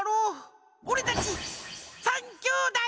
おれたち３きょうだい！